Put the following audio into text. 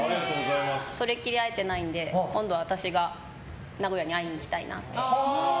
それっきり会えてないので今度私が名古屋に会いに行きたいなと。